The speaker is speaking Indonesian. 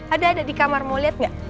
ada ada di kamar mau liat gak